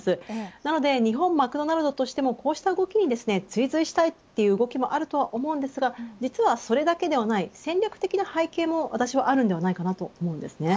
なので日本マクドナルドとしてもこうした動きに追随したいという動きもあると思いますが実はそれだけではない戦略的な背景も私はあるのではないかと思います。